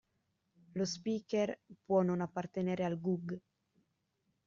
Lo speaker può non appartenere al GUG.